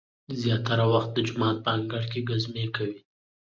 زیاتره وخت د جومات په انګړ کې ګزمې کوي.